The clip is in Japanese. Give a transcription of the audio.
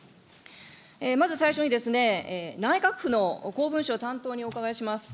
まず最初にですね、内閣府の公文書担当にお伺いします。